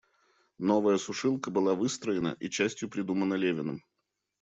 Новая сушилка была выстроена и частью придумана Левиным.